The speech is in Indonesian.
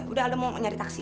udah lo mau nyari taksi